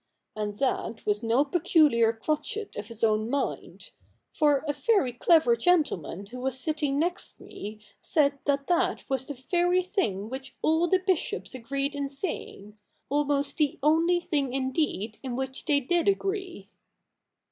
And that was no peculiar crotchet of his own mind ; for a very clever gentleman who was sitting next me said that that was the very thing which all the bishops agreed in saying — almost the only thing indeed in which they did agree.'